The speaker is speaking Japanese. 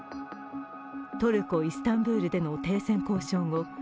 トルコ・イスタンブールでの停戦交渉後